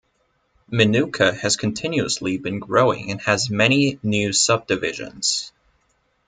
Minooka has continuously been growing and has many new subdivisions.